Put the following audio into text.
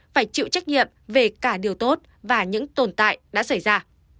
phải chịu trách nhiệm về cả điều tốt và những tồn tại đã xảy ra